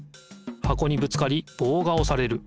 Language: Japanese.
箱にぶつかりぼうがおされる。